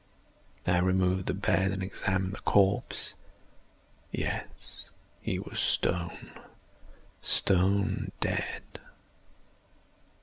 I removed the bed and examined the corpse. Yes, he was stone, stone dead.